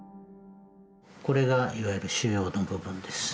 これがいわゆる腫瘍の部分です。